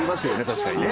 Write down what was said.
確かにね。